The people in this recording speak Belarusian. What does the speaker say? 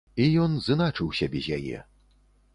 І ён з'іначыўся без яе.